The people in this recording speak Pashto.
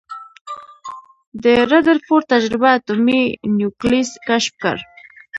د ردرفورډ تجربه اټومي نیوکلیس کشف کړ.